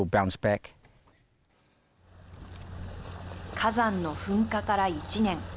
火山の噴火から１年。